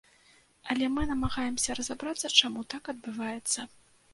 Але мы намагаемся разабрацца, чаму так адбываецца.